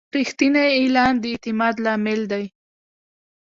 رښتینی اعلان د اعتماد لامل دی.